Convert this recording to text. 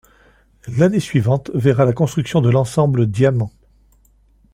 L'année suivante verra la construction de l'ensemble Diamant.